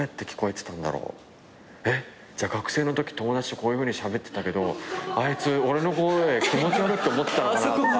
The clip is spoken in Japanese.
学生のとき友達とこういうふうにしゃべってたけどあいつ俺の声気持ち悪って思ってたのかなとか。